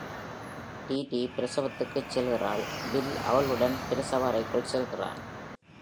டிடீ பிரசவத்திற்குச் செல்கிறாள், bill அவளுடன் பிரசவ அறைக்குள் செல்கிறான்.